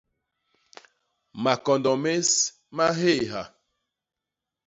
Makondo més ma nhééha.